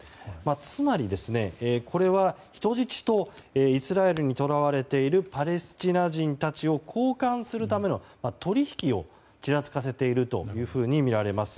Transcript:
つまり、これは人質とイスラエルにとらわれているパレスチナ人たちを交換するための取引をちらつかせているというふうにみられます。